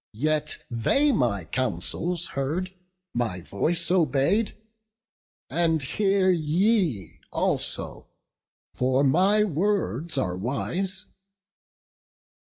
Yet they my counsels heard, my voice obey'd; And hear ye also, for my words are wise.